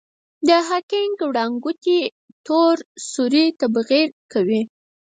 د هاکینګ وړانګوټې تور سوري تبخیر کوي.